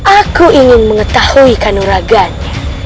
aku ingin mengetahui kanuraganya